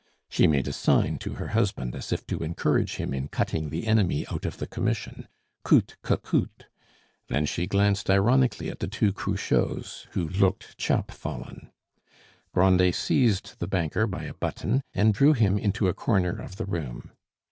She made a sign to her husband, as if to encourage him in cutting the enemy out of the commission, coute que coute; then she glanced ironically at the two Cruchots, who looked chap fallen. Grandet seized the banker by a button and drew him into a corner of the room.